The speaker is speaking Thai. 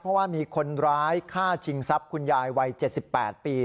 เพราะว่ามีคนร้ายฆ่าชิงทรัพย์คุณยายวัย๗๘ปี